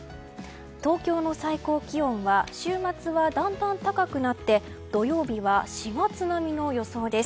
東京の最高気温は週末はだんだん高くなって土曜日は４月並みの予想です。